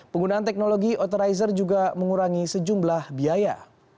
penggunaan teknologi authorizer juga mengurangi sejumlah biaya